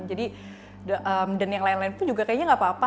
jadi dan yang lain lain tuh juga kayaknya nggak apa apa